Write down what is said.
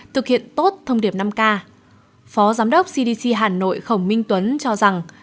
thực hiện tốt thông điệp năm k phó giám đốc cdc hà nội khổng minh tuấn cho rằng